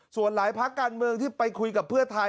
ส่วนหลายภาคการเมืองที่ไปคุยกับเพื่อไทย